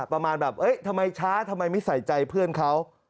ประมาณแบบเอ้ยทำไมช้าทำไมไม่ใส่ใจเพื่อนเขา